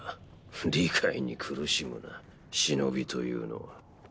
理解に苦しむな忍というのは。